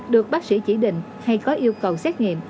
được bác sĩ chỉ định hay có yêu cầu xét nghiệm